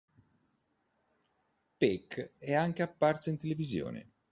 Peek è anche apparso in televisione.